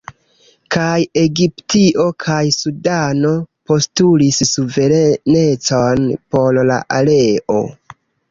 Kaj Egiptio kaj Sudano postulis suverenecon por la areo.